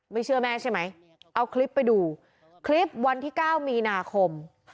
ไม่เชื่อแม่ใช่ไหมเอาคลิปไปดูคลิปวันที่๙มีนาคม